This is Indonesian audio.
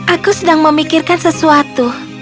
aku sedang memikirkan sesuatu